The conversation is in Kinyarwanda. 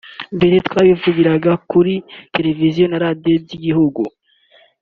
Mbere twabivugiraga kuri Televiziyo na Radiyo by’igihugu